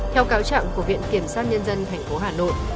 theo cáo trạng của viện kiểm sát nhân dân tp hà nội